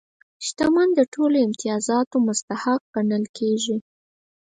شتمن د ټولو امتیازاتو مستحق ګڼل کېږي.